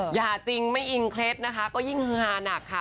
หย่าจริงไม่อิงเคล็ดยิ่งหื้อฮาหนักค่ะ